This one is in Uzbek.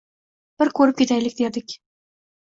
Bir ko‘rib ketaylik dedik.